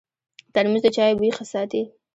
ترموز د چایو بوی ښه ساتي.